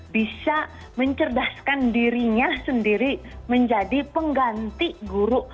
bisa mencerdaskan dirinya sendiri menjadi pengganti guru